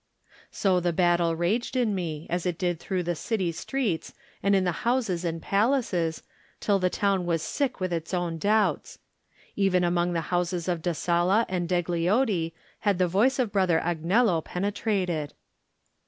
So the battle raged in me as it did through the city streets and in the houses and palaces, till the town was sick with its own doubts. Even among the houses of Da Sala and Degli Oddi had the voice of Brother Agnello penetrated.